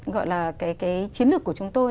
gọi là cái chiến lược của chúng tôi